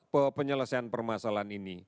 bahwa penyelesaian permasalahan ini